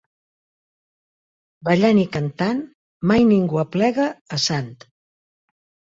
Ballant i cantant mai ningú aplega a sant.